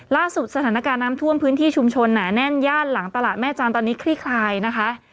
ล่าสุดสถานการณ์น้ำท่วมพื้นที่ชุมชนหนาแน่นย่านหลังตลาดแม่จันทร์ตอนนี้คลี่คลายนะคะ